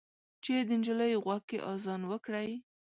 چې د نجلۍ غوږ کې اذان وکړئ